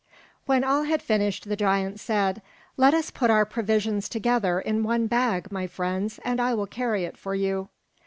When all had finished, the giant said, "Let us put our provisions together in one bag, my friends, and I will carry it for you."